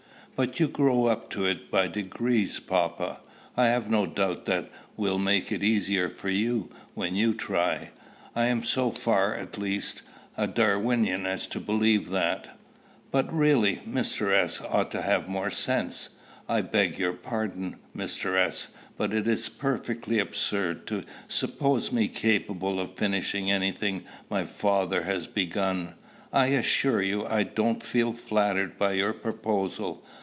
"But you grew up to it by degrees, papa!" "I have no doubt that will make it the easier for you, when you try. I am so far, at least, a Darwinian as to believe that." "But, really, Mr. S. ought to have more sense I beg your pardon, Mr. S.; but it is perfectly absurd to suppose me capable of finishing any thing my father has begun. I assure you I don't feel flattered by your proposal.